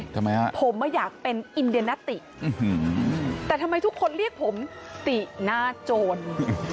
ทำไมฮะผมอยากเป็นอินเดียนาติแต่ทำไมทุกคนเรียกผมติหน้าโจร